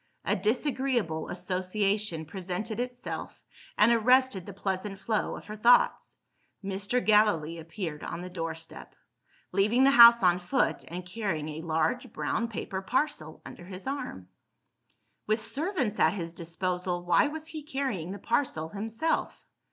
A disagreeable association presented itself, and arrested the pleasant flow of her thoughts. Mr. Gallilee appeared on the door step; leaving the house on foot, and carrying a large brown paper parcel under his arm. With servants at his disposal, why was he carrying the parcel himself?